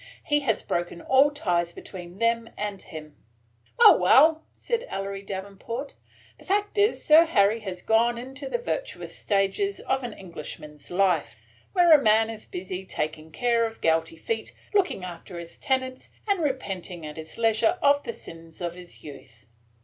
"He has broken all ties between them and him." "Well, well!" said Ellery Davenport, "the fact is Sir Harry had gone into the virtuous stage of an Englishman's life, where a man is busy taking care of gouty feet, looking after his tenants, and repenting at his leisure of the sins of his youth.